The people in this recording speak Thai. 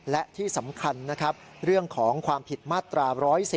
และที่สำคัญเรื่องของความผิดมาตรา๑๑๐